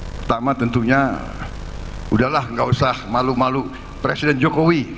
pertama tentunya udahlah nggak usah malu malu presiden jokowi